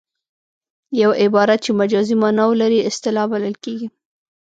یو عبارت چې مجازي مانا ولري اصطلاح بلل کیږي